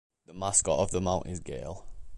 The mascot of the Mount is the Gael.